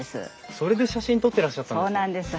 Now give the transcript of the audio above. それで写真撮ってらっしゃったんですね。